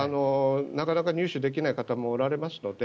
なかなか入手できない方もおられますので。